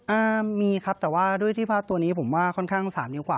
อ่ามีครับแต่ว่าด้วยที่ผ้าตัวนี้ผมว่าค่อนข้างสามนิ้วกว่า